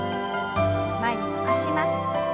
前に伸ばします。